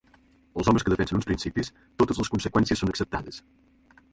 Els homes que defensen uns principis, totes les conseqüències són acceptades.